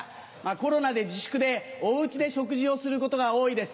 コロナで自粛でお家で食事をすることが多いです。